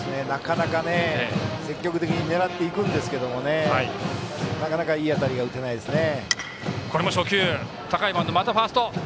積極的に狙っていくんですけどなかなかいい当たりが打てないですね。